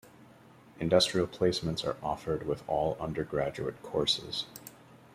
Industrial placements are offered with all undergraduate courses.